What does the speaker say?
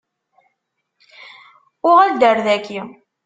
Uɣal-d ar daki.